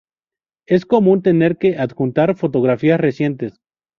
Es común tener que adjuntar fotografías recientes.